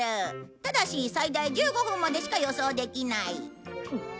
ただし最大１５分までしか予想できない。